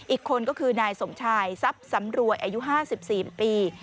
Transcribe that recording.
อีกคนก็คือนายสมชายทรัพย์สำรวยอายุ๕๔ปี